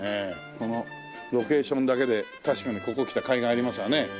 このロケーションだけで確かにここへ来たかいがありますわね。